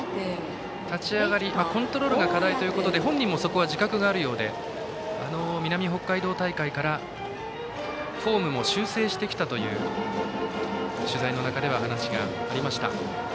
立ち上がりコントロールが課題ということで本人もそこは自覚があるようで南北海道大会からフォームも修正してきたと取材の中では話がありました。